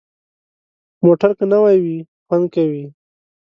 موټر که نوي وي، خوند کوي.